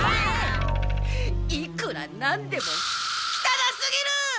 いくらなんでもきたなすぎる！